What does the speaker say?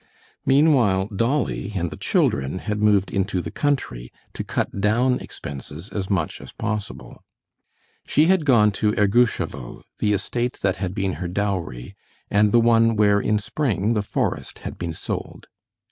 Meanwhile Dolly and the children had moved into the country, to cut down expenses as much as possible. She had gone to Ergushovo, the estate that had been her dowry, and the one where in spring the forest had been sold.